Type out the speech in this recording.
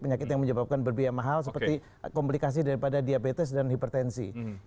penyakit yang menyebabkan berbiaya mahal seperti komplikasi daripada diabetes dan hipertensi